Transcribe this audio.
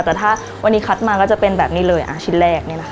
แต่ถ้าวันนี้คัดมาก็จะเป็นแบบนี้เลยชิ้นแรกนี่แหละค่ะ